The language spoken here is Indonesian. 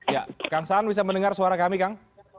ya kang saan bisa mendengar suara kami kang